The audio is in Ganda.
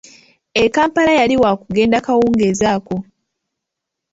E Kampala yali waakugenda kawungeezi ako.